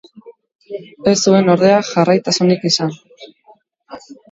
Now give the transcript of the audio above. Ez zuen ordea jarraitasunik izan.